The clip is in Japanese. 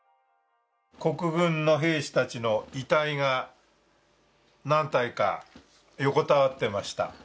国軍の兵士たちの遺体が何体か横たわっていました。